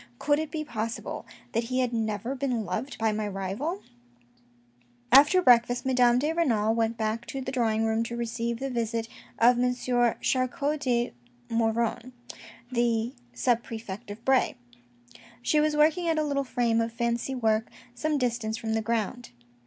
" Could it be possible that he had never been loved by my rival ?" After breakfast Madame de Renal went back to the drawing room to receive the visit of M. Charcot de Maugiron, the sub prefect of Bray. She was working at a little frame of fancy work some distance from the ground.